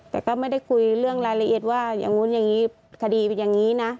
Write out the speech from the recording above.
แต่ก็ไม่ได้คุยเรื่องรายละเอียดว่าอย่างนู้นอย่างนี้คดีเป็นอย่างนี้นะ